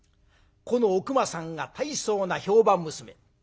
このおくまさんが大層な評判娘。